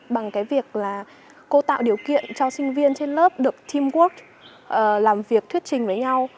bằng cái việc là cô tạo điều kiện cho sinh viên trên lớp được teamwork làm việc thuyết trình với nhau